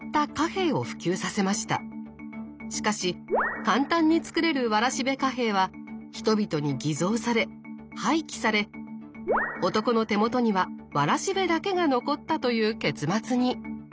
しかし簡単に作れるわらしべ貨幣は人々に偽造され廃棄され男の手元にはわらしべだけが残ったという結末に。